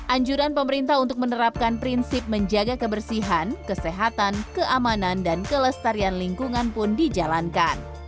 anjuran pemerintah untuk menerapkan prinsip menjaga kebersihan kesehatan keamanan dan kelestarian lingkungan pun dijalankan